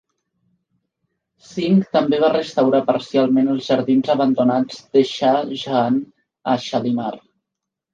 Singh també va restaurar parcialment els jardins abandonats de Shah Jahan a Shalimar.